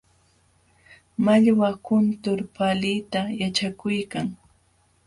Mallwa kuntur paalita yaćhakuykan.